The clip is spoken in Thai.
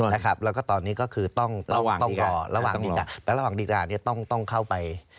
นะครับแล้วก็ตอนนี้ก็คือต้องต้องต้องรอระหว่างระหว่างดีการเนี้ยต้องต้องเข้าไป